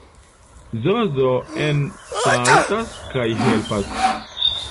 Zozo ensaltas kaj helpas.